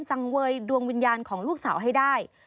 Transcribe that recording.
สังเวยดวงวิญญาณของลูกสาวให้ได้